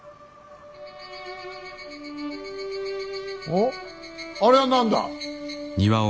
おっあれは何だ。